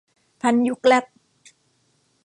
ทันยุคแลบ